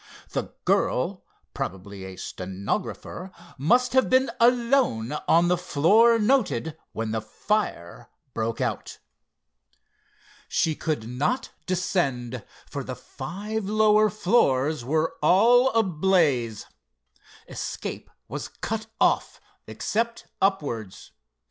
The girl, probably a stenographer, must have been alone on the floor noted when the fire broke out. She could not descend, for the five lower floors were all ablaze. Escape was cut off, except upwards.